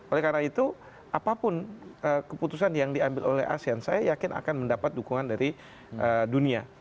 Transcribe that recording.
oleh karena itu apapun keputusan yang diambil oleh asean saya yakin akan mendapat dukungan dari dunia